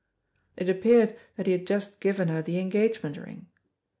It appeared that he had just given her the engagement ring.